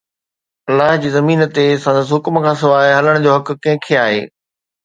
الله جي زمين تي سندس حڪم کان سواءِ هلڻ جو حق ڪنهن کي آهي؟